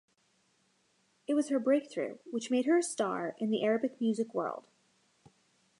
It was her breakthrough, which made her a star in the Arabic-music world.